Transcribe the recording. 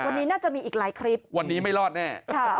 วันนี้น่าจะมีอีกหลายคลิปวันนี้ไม่รอดแน่